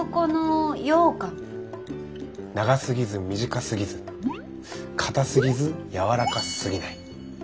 長すぎず短すぎず硬すぎず軟らかすぎない。